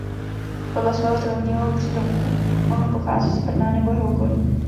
Podle svého řeholního přídomku mohl pocházet z Brna nebo jeho okolí.